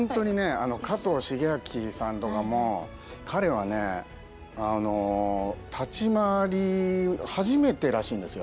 加藤シゲアキさんとかも彼はねあの立ち回り初めてらしいんですよ。